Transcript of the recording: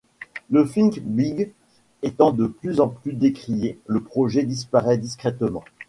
Le Think Big étant de plus en plus décrié, le projet disparait discrètement.